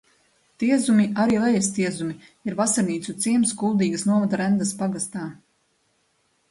Tiezumi, arī Lejastiezumi, ir vasarnīcu ciems Kuldīgas novada Rendas pagastā.